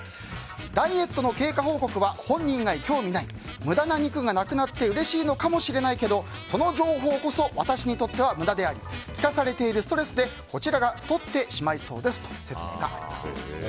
ダイエットの経過報告は本人以外興味ない無駄な肉がなくなってうれしいのかもしれないけどその情報こそ私にとっては無駄であり聞かされているストレスでこちらが太ってしまいますと説明があります。